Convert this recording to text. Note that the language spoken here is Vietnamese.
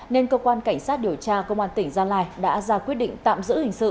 nên cơ quan cảnh sát điều tra công an tỉnh gia lai đã ra quyết định tạm giữ hình sự